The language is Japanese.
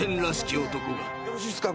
よろしいですか？